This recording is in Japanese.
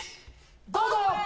どうぞ。